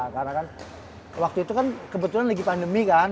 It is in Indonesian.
karena kan waktu itu kan kebetulan lagi pandemi kan